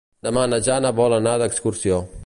Demà na Jana vol anar d'excursió.